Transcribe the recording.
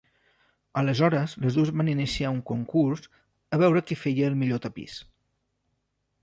Aleshores les dues van iniciar un concurs a veure qui feia el millor tapís.